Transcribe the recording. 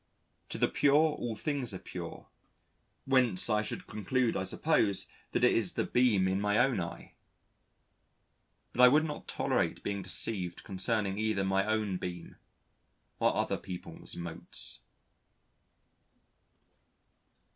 "To the pure all things are pure," whence I should conclude I suppose that it is the beam in my own eye. But I would not tolerate being deceived concerning either my own beam or other people's motes.